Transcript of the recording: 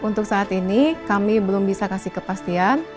untuk saat ini kami belum bisa kasih kepastian